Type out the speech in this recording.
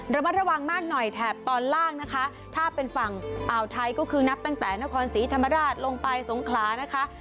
ระมัดระวังมากหน่อยแถบตอนล่างนะคะถ้าเป็นฝั่งอ่าวไทยก็คือนับตั้งแต่นครศรีธรรมราชลงไปสงขลานะคะ